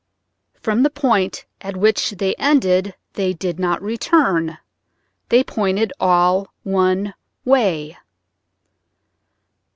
From the point at which they ended they did not return; they pointed all one way.